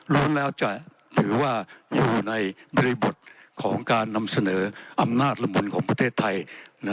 รวมแล้วจะถือว่าอยู่ในบริบทของการนำเสนออำนาจละมุนของประเทศไทย